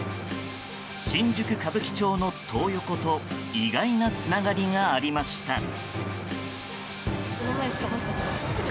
新宿・歌舞伎町のトー横と意外なつながりがありました。